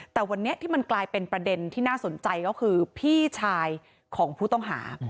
แต่วันนี้ที่มันกลายเป็นประเด็นที่น่าสนใจก็คือพี่ชายของผู้ต้องหา